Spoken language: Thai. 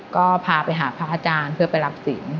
ก็พาไปหาพระอาจารย์เพื่อไปรับศิลป